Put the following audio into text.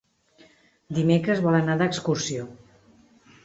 Dimecres vol anar d'excursió.